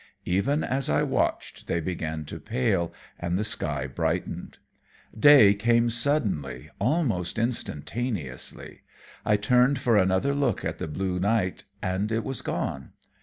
Even as I watched, they began to pale and the sky brightened. Day came suddenly, almost instantaneously. I turned for another look at the blue night, and it was gone.